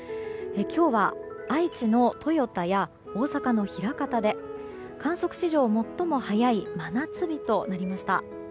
今日は愛知の豊田や大阪の枚方で観測史上最も早い真夏日となりました。